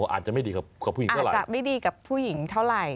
อาจจะไม่ดีกับผู้หญิงเท่าไร